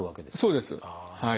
そうですはい。